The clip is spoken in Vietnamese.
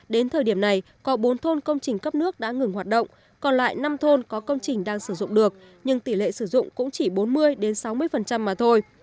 đến thời điểm này có bốn thôn công trình cấp nước đã ngừng hoạt động còn lại năm thôn có công trình đang sử dụng được nhưng tỷ lệ sử dụng cũng chỉ bốn mươi sáu mươi mà thôi